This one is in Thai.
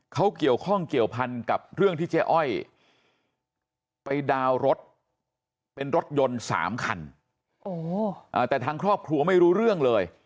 เขาเกี่ยวข้องเกี่ยวพันธุ์กับเรื่องที่เจ๊อ้อยไปดาวรถเป็นรถยนต์๓คัน